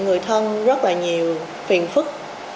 người thân rất là nhiều phiền phức